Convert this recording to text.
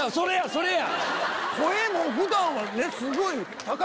それや！